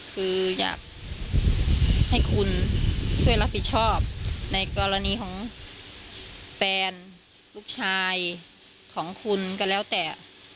คืออยากให้คุณช่วยรับผิดชอบในกรณีของแฟนลูกชายของคุณก็แล้วแต่